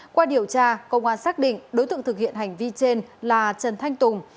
qua điều tra công an xác định đối tượng thực hiện hành vi trên là trần thanh tùng